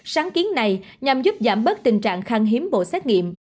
sáng kiến này nhằm giúp giảm bớt tình trạng khang hiếm bộ xét nghiệm